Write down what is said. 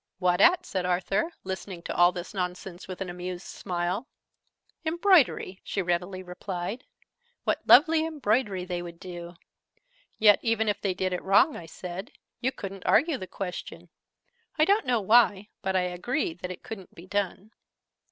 "What at?" said Arthur, listening to all this nonsense with an amused smile. "Embroidery!" she readily replied. "What lovely embroidery they would do!" "Yet, if they did it wrong," I said, "you couldn't argue the question. I don't know why: but I agree that it couldn't be done."